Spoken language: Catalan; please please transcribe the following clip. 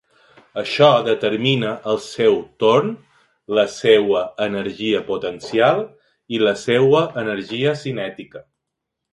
Això determina al seu torn la seua energia potencial i la seua energia cinètica.